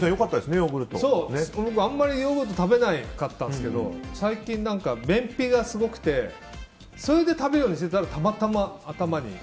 僕、あんまりヨーグルト食べなかったんですけど最近、便秘がすごくてそれで食べるようにしてたらたまたま頭に。